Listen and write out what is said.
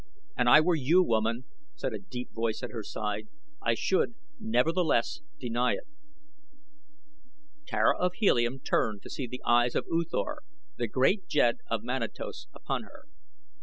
"And I were you, woman," said a deep voice at her side, "I should, nevertheless, deny it." Tara of Helium turned to see the eyes of U Thor, the great jed of Manatos, upon her.